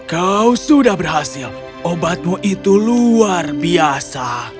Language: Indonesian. kau sudah berhasil obatmu itu luar biasa